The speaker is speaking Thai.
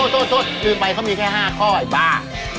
โทษลืมไปเขามีแค่๕ข้อไอ้บ้า